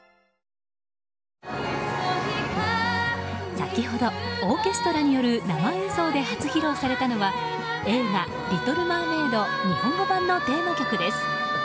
先ほど、オーケストラによる生演奏で初披露されたのは映画「リトル・マーメイド」日本語版のテーマ曲です。